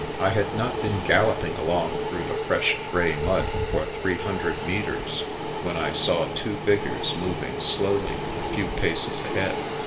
I had not been galloping along through the fresh, grey mud for three hundred metres when I saw two figures moving slowly a few paces ahead.